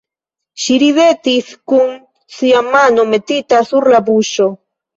Ŝi ridetis kun sia mano metita sur la buŝo.